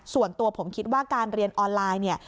ส่วนตัวผมคิดว่าการเรียนออนไลน์เนี่ย